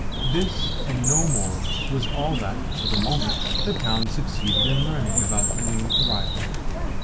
This, and no more, was all that, for the moment, the town succeeded in learning about the new arrival.